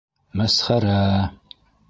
- Мәсхәрә!